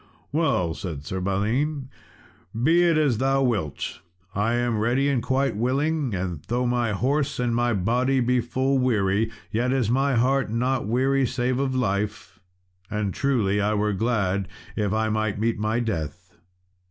"Well," said Sir Balin, "be it as thou wilt. I am ready and quite willing, and though my horse and my body be full weary, yet is my heart not weary, save of life. And truly I were glad if I might meet my death."